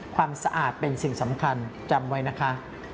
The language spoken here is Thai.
ความสะอาดเป็นสิ่งสำคัญจำไว้นะคะ